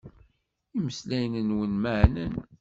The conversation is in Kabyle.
Imeslayen-nwen meɛnen.